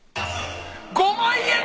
５万円！